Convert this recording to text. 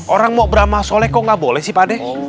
orang mau beramah soleh kok nggak boleh sih pak deh